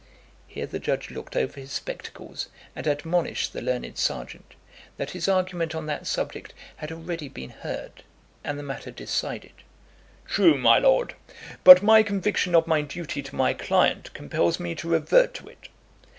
Here the judge looked over his spectacles and admonished the learned serjeant, that his argument on that subject had already been heard, and the matter decided. "True, my lord; but my conviction of my duty to my client compels me to revert to it.